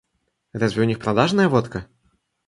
Разве у них продажная водка?